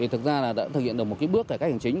thực ra là đã thực hiện được một bước cải cách hành chính